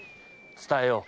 伝えよう。